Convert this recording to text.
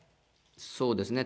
そうですね。